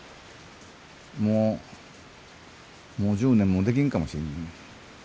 もうもう１０年もできんかもしんないね。